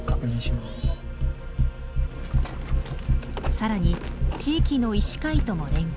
更に地域の医師会とも連携。